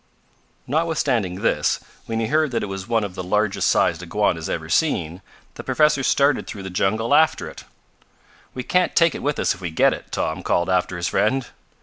Notwithstanding this, when he heard that it was one of the largest sized iguanas ever seen, the professor started through the jungle after it. "We can't take it with us if we get it," Tom called after his friend.